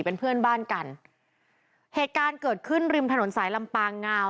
เป็นเพื่อนบ้านกันเหตุการณ์เกิดขึ้นริมถนนสายลำปางงาว